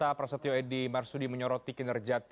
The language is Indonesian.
ini ibutan cnn indonesia